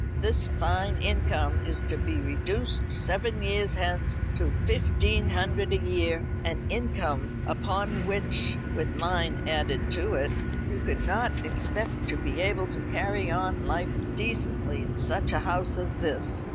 "This fine income is to be reduced seven years hence to fifteen hundred a year, an income upon which with mine added to it you could not expect to be able to carry on life decently in such a house as this.